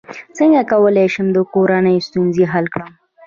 څنګه کولی شم د کورنۍ ستونزې حل کړم